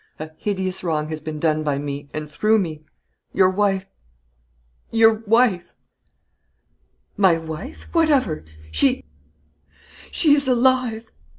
a hideous wrong has been done by me and through me. Your wife your wife " "My wife! what of her? She " "She is alive!"